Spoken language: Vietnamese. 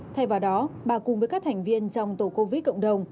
thay vào đó bà cùng với các thành viên trong tổ covid cộng đồng